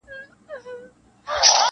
په خندا کي یې و زوی ته و ویله,